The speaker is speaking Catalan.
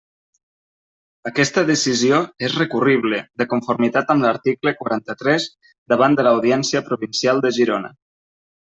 Aquesta decisió és recurrible, de conformitat amb l'article quaranta-tres, davant de l'Audiència Provincial de Girona.